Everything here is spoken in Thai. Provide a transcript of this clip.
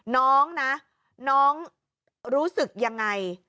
น้องนะน้องรู้สึกยังไง